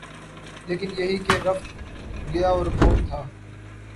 لیکن یہی کہ رفت، گیا اور بود تھا